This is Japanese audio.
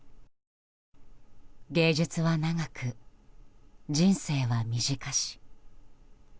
芸術は長く、人生は短し。